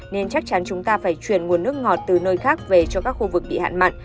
nên chắc chắn chúng ta phải chuyển nguồn nước ngọt từ nơi khác về cho các khu vực bị hạn mặn